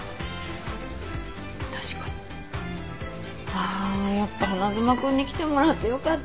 あやっぱ花妻君に来てもらってよかった。